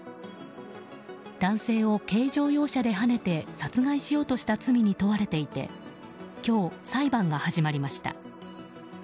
男性を軽乗用車ではねて殺害しようとした罪に問われていて今日、裁判が始まりました。